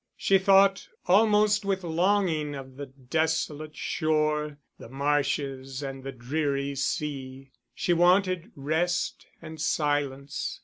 She thought almost with longing of the desolate shore, the marshes and the dreary sea; she wanted rest and silence.